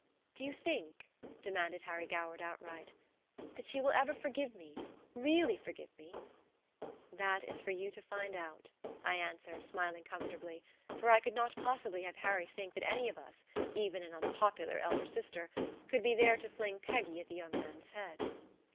"Do you think," demanded Harry Goward, outright, "that she will ever forgive me, REALLY forgive me?" "That is for you to find out," I answered, smiling comfortably; for I could not possibly have Harry think that any of us even an unpopular elder sister could be there to fling Peggy at the young man's head.